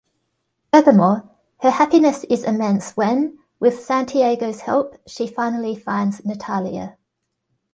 Furthermore, her happiness is immense when, with Santiago's help, she finally finds Natalia.